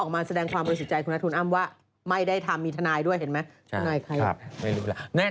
แปลงความรู้สึกใจนะทุนอ้ำว่าไม่ได้ทำมีทนายด้วยเห็นมั้ย